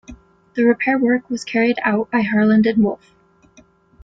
The repair work was carried out by Harland and Wolff.